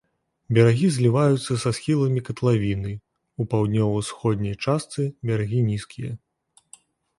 Берагі зліваюцца са схіламі катлавіны, у паўднёва-усходняй частцы берагі нізкія.